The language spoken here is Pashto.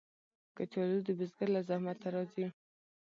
کچالو د بزګر له زحمته راځي